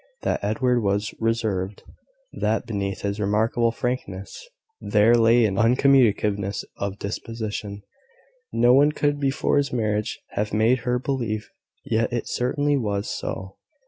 That Edward was reserved that beneath his remarkable frankness there lay an uncommunicativeness of disposition no one could before his marriage have made her believe: yet it certainly was so.